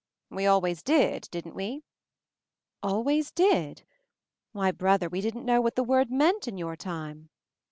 "We always did, didn't we?" "Always did? Why brother, we didn't know what the word meant in your time."